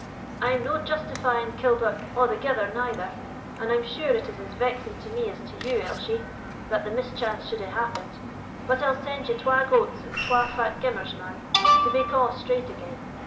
"I am no justifying Killbuck a'thegither neither, and I am sure it is as vexing to me as to you, Elshie, that the mischance should hae happened; but I'll send you twa goats and twa fat gimmers, man, to make a' straight again.